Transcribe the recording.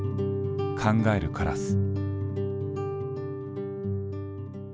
「考えるカラス」。